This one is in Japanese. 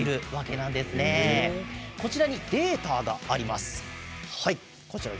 こちらにデータがあります。